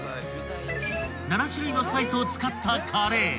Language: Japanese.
［７種類のスパイスを使った］